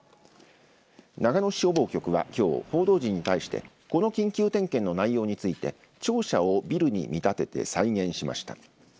長野市消防局はきょう、報道陣に対してこの緊急点検の内容について庁舎をビルに見たてて再現しました。